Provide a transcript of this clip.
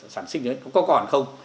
sản sinh đấy có còn không